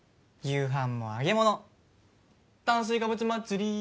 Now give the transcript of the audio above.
夕飯も揚げ物炭水化物祭り